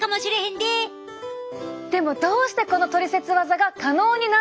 でもどうしてこのトリセツワザが可能になったのか。